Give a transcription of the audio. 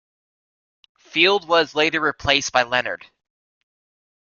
Field was later replaced by Leonard.